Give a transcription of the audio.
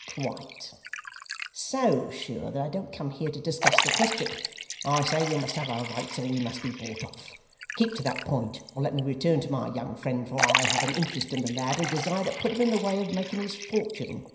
'Quite so sure, that I don't come here to discuss the question. I say we must have our rights, or we must be bought off. Keep to that point, or let me return to my young friend, for I have an interest in the lad, and desire to put him in the way of making his fortune.